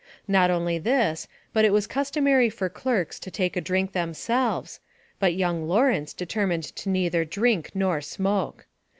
Not only this, but it was customary for clerks to take a drink themselves, but young Lawrence determined to neither drink nor smoke.